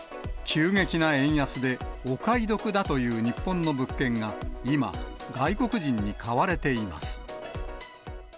急激な円安で、お買い得だという日本の物件が、今、外国人に買われています。